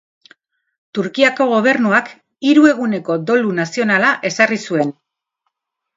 Turkiako gobernuak hiru eguneko dolu nazionala ezarri zuen.